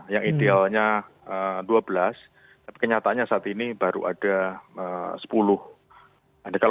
yang idealnya dua belas tapi kenyataannya saat ini baru ada sepuluh